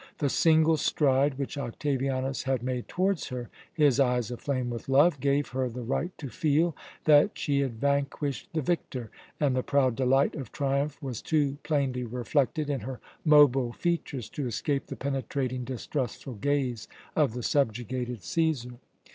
The single stride which Octavianus had made towards her, his eyes aflame with love, gave her the right to feel that she had vanquished the victor, and the proud delight of triumph was too plainly reflected in her mobile features to escape the penetrating, distrustful gaze of the subjugated Cæsar.